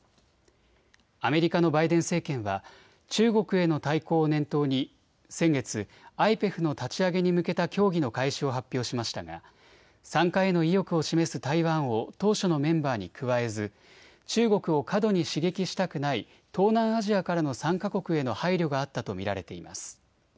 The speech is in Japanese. アメリカのバイデン政権は中国への対抗を念頭に先月、ＩＰＥＦの立ち上げに向けた協議の開始を発表しましたが参加への意欲を示す台湾を当初のメンバーに加えず中国を過度に刺激したくない東南アジアからの参加国への配慮があったと見られています。